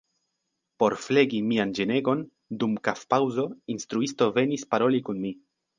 Por flegi mian ĝenegon, dum kafpaŭzo instruisto venis paroli kun mi.